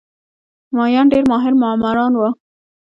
مایان ډېر ماهر معماران وو.